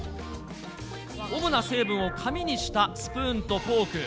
主な成分を紙にしたスプーンとフォーク。